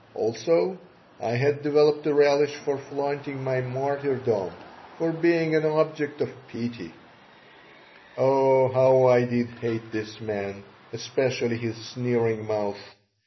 Also, I had developed a relish for flaunting my martyrdom, for being an object of pity Oh, how I did hate this man, especially his sneering mouth!